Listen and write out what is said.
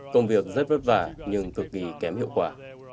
công việc rất vất vả nhưng cực kỳ kém hiệu quả